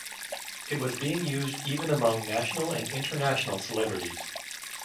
It was being used even among national and international celebrities.